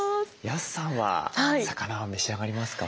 安さんは魚は召し上がりますか？